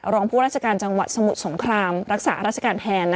รองผู้ราชการจังหวัดสมุทรสงครามรักษาราชการแทน